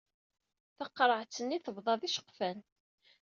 Taqerɛet-nni tebḍa d iceqfan.